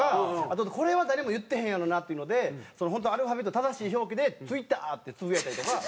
あとこれは誰も言ってへんやろなっていうので本当アルファベットの正しい表記で「Ｔｗｉｔｔｅｒ」ってつぶやいたりとか。